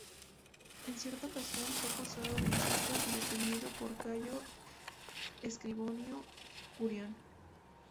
En cierta ocasión, fue acusado de incesto y defendido por Cayo Escribonio Curión.